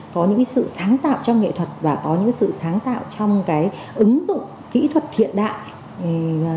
có những sự sáng tạo trong nghệ thuật và có những sự sáng tạo trong cái ứng dụng kỹ thuật hiện đại